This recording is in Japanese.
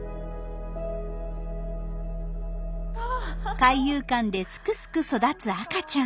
海遊館ですくすく育つ赤ちゃん。